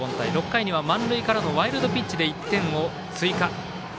６回には満塁からのワイルドピッチで１点を追加。